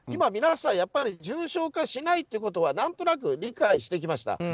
皆さん重症化しないということは何となく理解してきました。